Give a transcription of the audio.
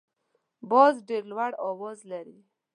باز ډیر لوړ اواز لري